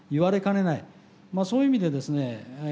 まあそういう意味でですね